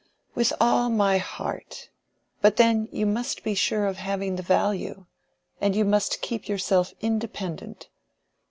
"With all my heart. But then you must be sure of having the value, and you must keep yourself independent.